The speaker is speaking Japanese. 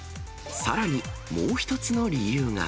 さらにもう一つの理由が。